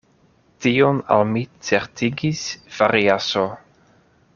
Tion al mi certigis Variaso.